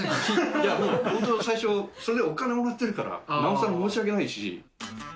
いや、もう本当、最初、それでお金もらってるから、なおさら申し訳ないし。